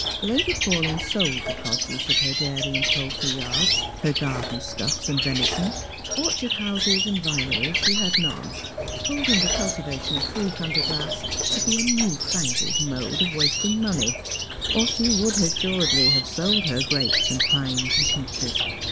Lady Paulyn sold the produce of hei dairy and poultry yard, her garden stuffs and venison. Orchard ' houses and vineries she had none, holdmg the cultivation of fruit under glass to be a new fangled mode of wasting money, or she would assuredly have sold her grapes and pines and peaches.